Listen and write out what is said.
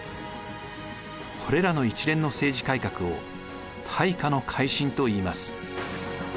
これらの一連の政治改革を大化の改新といいます。